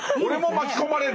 巻き込まれる。